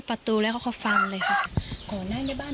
ผู้จากเชื้อไม้รัดกวาดพลง